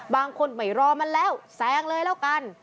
บางคนไม่รอมันแล้วแซงเลยแล้วกัน